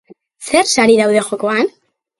Zer sari daude jokoan?